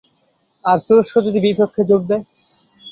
আর তুরস্ক যদি বিপক্ষে যোগ দেয়?